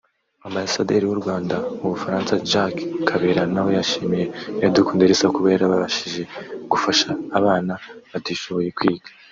Ambasaderi w’u Rwanda mu Bufaransa Jacque Kabale nawe yashimiye Iradukunda Elsa kuba yarabashije gufasha abana batishoboye kwiga